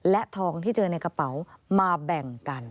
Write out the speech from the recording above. และทองที่เจอในกระเป๋ามาแบ่งกัน